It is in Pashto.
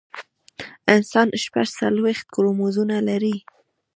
انسان شپږ څلوېښت کروموزومونه لري